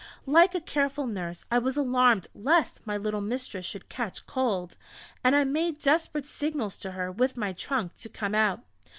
Like a careful nurse, I was alarmed lest my little mistress should catch cold, and I made desperate signals to her with my trunk to come out....